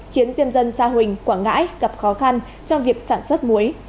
khiến diêm dân sa huỳnh quảng ngãi gặp khó khăn trong việc sản xuất muối